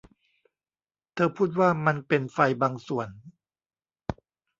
เธอพูดว่ามันเป็นไฟบางส่วน